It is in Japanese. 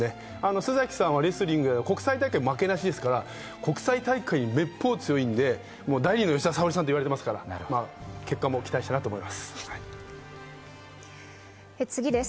須崎さんはレスリングで国際大会負けなしですから国際大会めっぽう強いんで、第２の吉田沙保里さんと言われていますから、結果も期待したいなと思います。